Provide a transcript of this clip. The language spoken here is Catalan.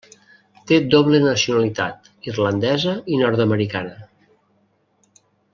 Té doble nacionalitat, irlandesa i nord-americana.